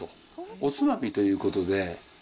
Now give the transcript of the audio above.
おつまみということで。